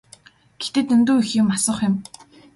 Гэхдээ дэндүү их юм асуух юм.